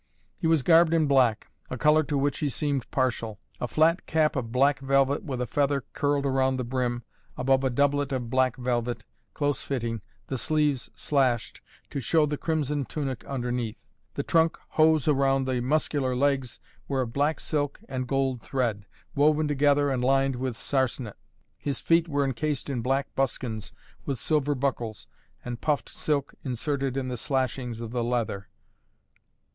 He was garbed in black, a color to which he seemed partial. A flat cap of black velvet with a feather curled round the brim, above a doublet of black velvet, close fitting, the sleeves slashed, to show the crimson tunic underneath. The trunk hose round the muscular legs were of black silk and gold thread, woven together and lined with sarsenet. His feet were encased in black buskins with silver buckles, and puffed silk inserted in the slashings of the leather.